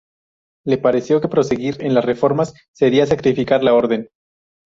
Le pareció que proseguir en las reformas sería sacrificar la orden.